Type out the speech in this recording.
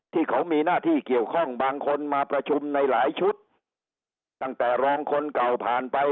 ที่เขามีหน้าที่เกี่ยวข้องบางคนมาประชุมในหลายชุดตั้งแต่รองคนเก่าผ่านไป